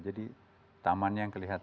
jadi taman yang kecil